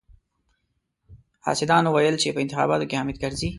حاسدانو ويل چې په انتخاباتو کې حامد کرزي.